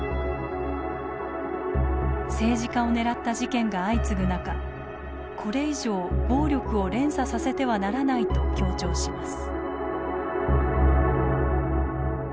政治家を狙った事件が相次ぐ中これ以上暴力を連鎖させてはならないと強調します。